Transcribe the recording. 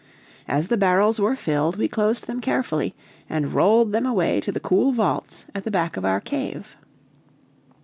As the barrels were filled, we closed them carefully, and rolled them away to the cool vaults at the back of our cave.